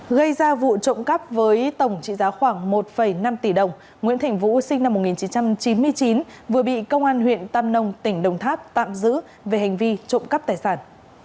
gây ra vụ trộm cắp với tổng trị giá khoảng một năm tỷ đồng nguyễn thành vũ sinh năm một nghìn chín trăm chín mươi chín vừa bị công an huyện tam nông tỉnh đồng tháp tạm giữ về hành vi trộm cắp tài sản